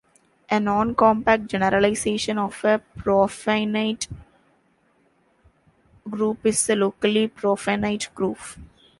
A non-compact generalization of a profinite group is a locally profinite group.